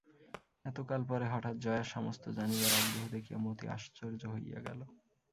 এতকাল পরে হঠাৎ জয়ার সমস্ত জানিবার আগ্রহ দেখিয়া মতি আশ্চর্য হইয়া গেল।